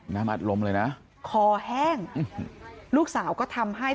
อัดลมเลยนะคอแห้งลูกสาวก็ทำให้